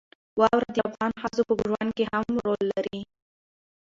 واوره د افغان ښځو په ژوند کې هم رول لري.